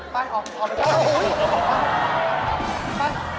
ไปเอาไปเถอะ